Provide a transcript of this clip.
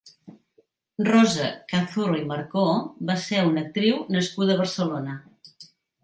Rosa Cazurro i Marcó va ser una actriu nascuda a Barcelona.